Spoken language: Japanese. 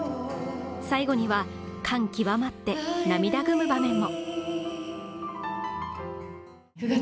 最後には感極まって涙ぐむ場面も。